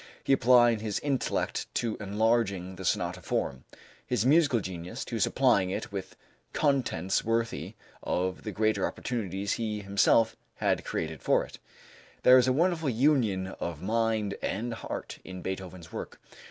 He applied his intellect to enlarging the sonata form, his musical genius to supplying it with contents worthy of the greater opportunities he himself had created for it. There is a wonderful union of mind and heart in Beethoven's work.